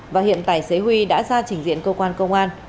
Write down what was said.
và hiện tài xế huy đã ra trình diện cơ quan công an